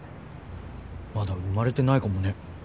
まだ生まれてないかもね。